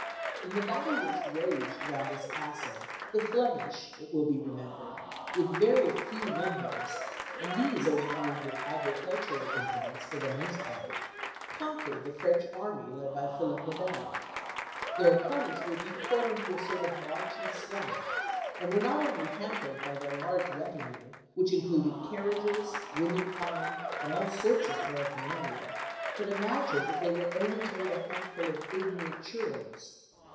In the battle which raged round this castle, the Flemish, it will be remembered, with very few numbers and these only armed with agricultural implements for the most part conquered the French army led by Philip Le Bel. Their opponents were decoyed into a sort of marshy swamp, and were not only hampered by their large retinue, which included carriages, women kind, and all sorts of paraphernalia, but imagined that they were only to meet a handful of ignorant churls.